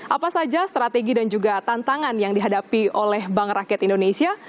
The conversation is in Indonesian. apa saja strategi dan juga tantangan yang dihadapi oleh bank rakyat indonesia